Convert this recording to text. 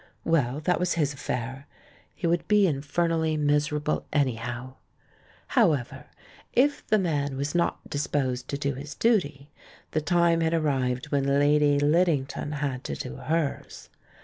Well, that was his affair! He would be infer nally miserable, anyhow ! However, if the man was not disposed to do his duty, the time had arrived when Lady Lid dington had to do hers.